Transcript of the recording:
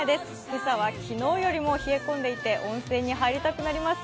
今朝は昨日よりも冷え込んでいて温泉に入りたくなります。